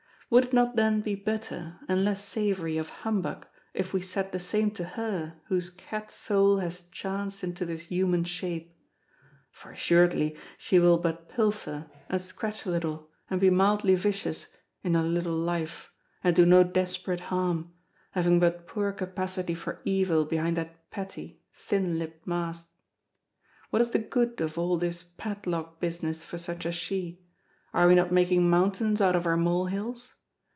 Would it not then be better, and less savoury of humbug if we said the same to her whose cat soul has chanced into this human shape? For assuredly she will but pilfer, and scratch a little, and be mildly vicious, in her little life, and do no desperate harm, having but poor capacity for evil behind that petty, thin upped mask. What is the good of all this padlock business for such as she; are we not making mountains out of her mole hills?